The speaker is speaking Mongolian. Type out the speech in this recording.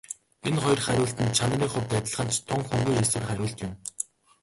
Энэ хоёр хариулт нь чанарын хувьд адилхан ч тун хөнгөн хийсвэр хариулт юм.